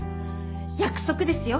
約束ですよ！